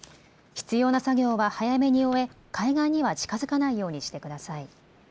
必要な作業は早めに終え、海岸には近づかないようにしてください。